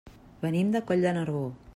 Venim de Coll de Nargó.